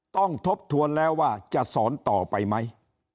ทบทวนแล้วว่าจะสอนต่อไปไหม